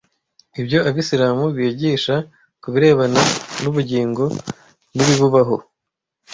Ibyo Abisilamu bigisha ku birebana n’ubugingo n’ibibubaho